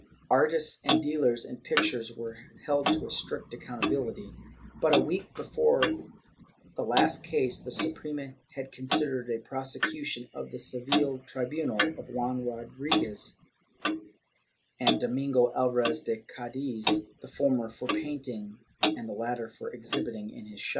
Artists and dealers in^ pictures were held to a strict accountability. But a week before the last case, the Suprema had considered a prosecution by the Seville tribunal of Juan Rodriguez and Domingo Alvarez of Cadiz, the former for painting and the latter for exhibiting in his shop a ' Archive hist, nacional.